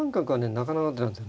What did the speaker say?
なかなかの手なんですよね。